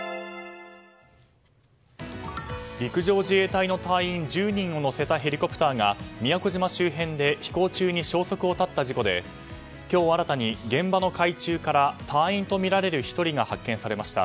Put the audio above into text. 陸上自衛隊の隊員１０人を乗せたヘリコプターが、宮古島周辺で飛行中に消息を絶った事故で今日新たに現場の海中から隊員とみられる１人が発見されました。